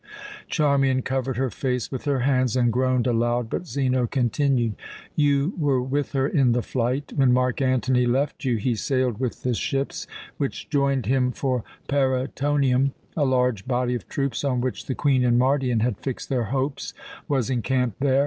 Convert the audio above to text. Charmian covered her face with her hands and groaned aloud, but Zeno continued: "You were with her in the flight. When Mark Antony left you, he sailed with the ships which joined him for Parætonium. A large body of troops on which the Queen and Mardion had fixed their hopes was encamped there.